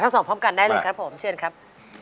เอ่อทั้งสองพร้อมกันได้เลยครับเชื่อนครับ